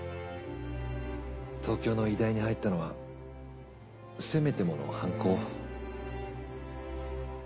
東京の医大に入ったのはせめてもの反抗。